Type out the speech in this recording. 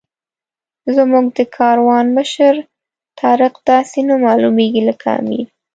زموږ د کاروان مشر طارق داسې نه معلومېږي لکه امیر.